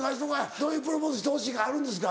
どういうプロポーズしてほしいかあるんですか？